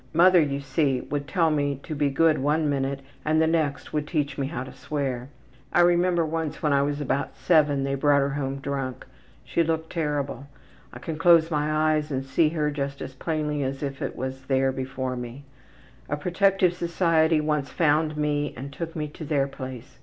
Mother, you see, would tell me to be good one minute and the next would teach me how to swear. I remember once when I was about 7 they brought her home drunk. She looked terrible. I can close my eyes and see her just as plainly as if it is there before me. A protective society once found me and took me to their place.